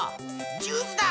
ジュースだ！